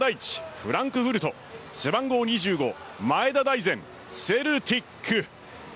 フランクフルト背番号２５・前田大然セルティック。